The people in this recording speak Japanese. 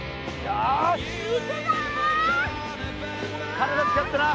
体使ってな。